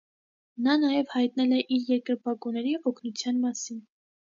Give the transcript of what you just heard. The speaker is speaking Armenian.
Նա նաև հայտնել է իր երկրպագուների օգնության մասին։